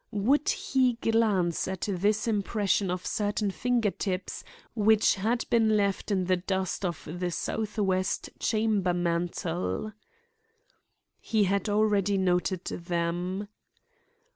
Would he glance at this impression of certain finger tips which had been left in the dust of the southwest chamber mantel? He had already noted them.